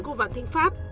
của vạn thịnh pháp